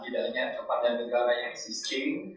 tidak hanya kepada negara yang sistem